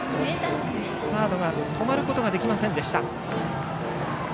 サードが止まることができませんでした。